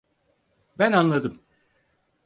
Ben anladım.